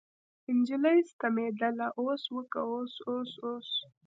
نجلۍ ستمېدله اوس وکه اوس اوس اوس.